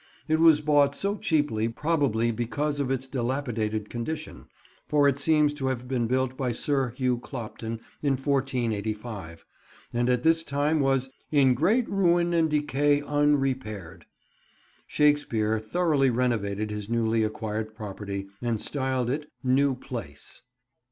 It was bought so cheaply probably because of its dilapidated condition, for it seems to have been built by Sir Hugh Clopton in 1485, and at this time was "in great ruyne & decay & unrepayred." Shakespeare thoroughly renovated his newly acquired property, and styled it "New Place."